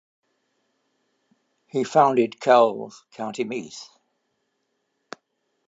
He founded Kells, County Meath.